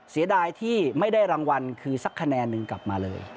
เสียดายที่ไม่ได้รางวัลคือสักคะแนนหนึ่งกลับมาเลย